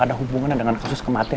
ada hubungannya dengan kasus kematian